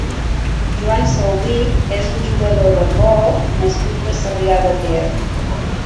Joan Saubich és un jugador d'handbol nascut a Sarrià de Ter.